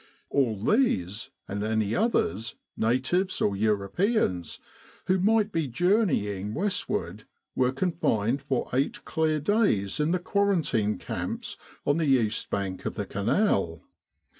All these, and any others, natives or Europeans, who might be journeying westward, were confined for eight clear days in the quarantine camps on the east bank of the Canal.